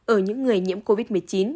ở những người nhiễm covid một mươi chín